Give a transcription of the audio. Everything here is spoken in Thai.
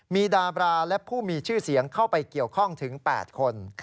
มีดาบราและผู้มีชื่อเสียงเข้าไปเกี่ยวข้องถึง๘คน